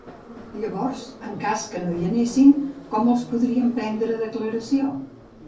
Llavors, en cas que no hi anessin, com els podrien prendre declaració?